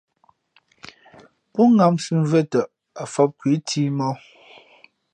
Pó ŋǎmsī mvʉ̄ᾱ tαʼ, ǎ fǒp khu ǐ cǐmōh.